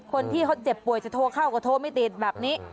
คนที่เขาเจ็บป่วยจะโทรเข้าก็โทรไม่ติดแบบนี้